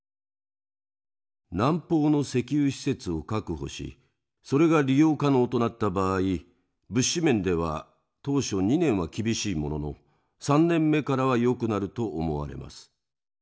南方の石油施設を確保しそれが利用可能となった場合物資面では当初２年は厳しいものの３年目からはよくなると思われます。